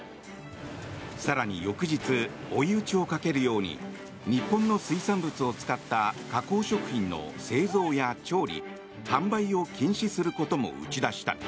更に翌日追い打ちをかけるように日本の水産物を使った加工食品の製造や調理、販売を禁止することも打ち出した。